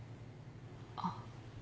あっ。